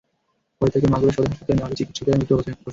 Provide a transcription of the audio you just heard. পরে তাঁকে মাগুরা সদর হাসপাতালে নেওয়া হলে চিকিৎসকেরা মৃত ঘোষণা করেন।